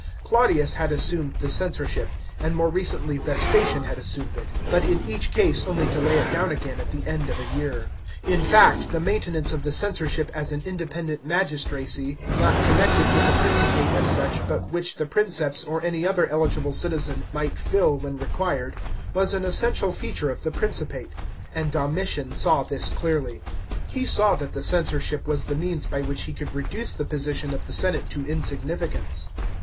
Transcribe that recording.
Claudius had assumed the censorship, and more recently Vespasian had assumed it, but in each case only to lay it down again at the end of a year. In fact, the maintenance of the censorship as an independent magistracy, not connected with the Principate as such, but which the Princeps, or any other eligible citizen, might fill when required, was an essential feature of the Principate. And Domitian saw this clearly. He saw that the censorship was the means by which he could reduce the position of the senate to insignificance.